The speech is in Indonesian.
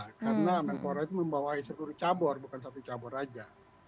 karena menpora itu membawa seluruh cabur bukan satu cabur aja